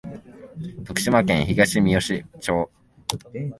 徳島県東みよし町